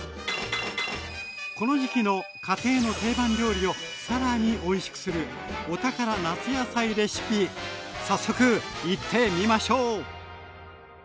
この時期の家庭の定番料理を更においしくする早速いってみましょう！